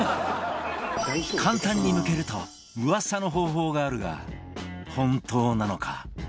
簡単にむけると噂の方法があるが本当なのか？